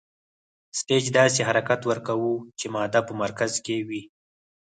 سټیج داسې حرکت ورکوو چې ماده په مرکز کې وي.